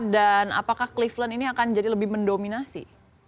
dan apakah cleveland ini akan jadi lebih mendominasi